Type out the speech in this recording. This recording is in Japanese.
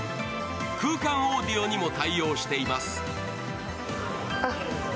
空間オーディオにも対応しています。